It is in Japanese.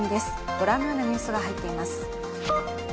ご覧のようなニュースが入っています。